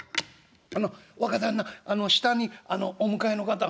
あの若旦那下にお迎えの方が」。